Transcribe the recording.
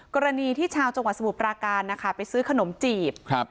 กรณีที่ชาวจังหวัดสมุทรปราการนะคะไปซื้อขนมจีบ